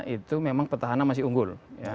itu memang petahana masih unggul